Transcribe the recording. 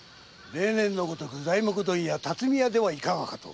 例年のごとく材木問屋・巽屋ではいかがかと。